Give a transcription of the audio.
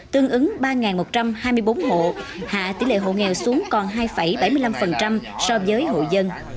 tương ứng ba một trăm hai mươi bốn hộ hạ tỷ lệ hộ nghèo xuống còn hai bảy mươi năm so với hộ dân